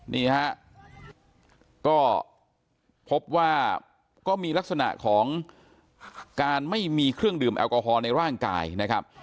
นี่ฮะก็พบว่าก็มีลักษณะของการไม่มีเครื่องดื่มแอลกอฮอลในร่างกายนะครับ